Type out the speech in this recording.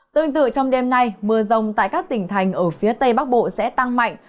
tương tự trong đêm nay mưa rông tại các tỉnh thành ở phía tây bắc bộ sẽ tăng mạnh